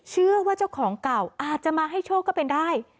เชื่อว่าเจ้าของเก่าอาจจะมาให้โชคก็เป็นได้